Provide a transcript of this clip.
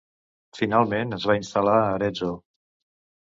Finalment es va instal·lar a Arezzo.